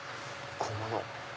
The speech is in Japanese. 「小物」